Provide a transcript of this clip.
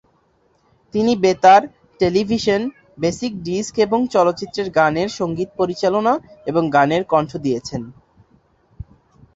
তিনি বেতার, television, basic disc এবং চলচ্চিত্রের গানের সঙ্গীত পরিচালনা এবং গানে কণ্ঠ দিয়েছেন।